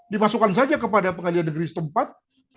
dimasukkan saja kepada pengadilan negeri setempat